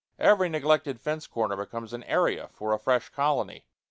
Every neglected fence corner becomes an area for a fresh colony.